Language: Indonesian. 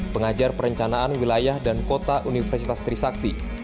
pengajar perencanaan wilayah dan kota universitas trisakti